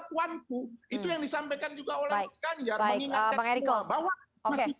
rakyatku itu yang disampaikan juga oleh sekalian mengingatkan semua bahwa masih